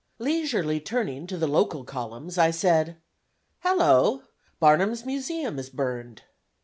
Leisurely turning to the local columns, I said, "Hallo! Barnum's Museum is burned."